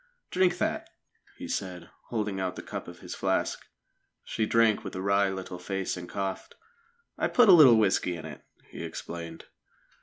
"Drink that," he said, holding out the cup of his flask. She drank with a wry little face, and coughed. "I put a little whisky in it," he explained.